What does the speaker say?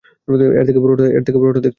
এর থেকে বড়টা দেখেছি।